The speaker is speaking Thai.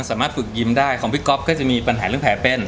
สามารถฝึกยิ้มได้ของพี่ก๊อฟก็จะมีปัญหาเรื่องแผลเป็น